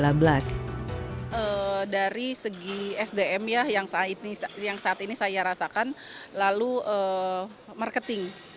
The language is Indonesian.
dari segi sdm ya yang saat ini saya rasakan lalu marketing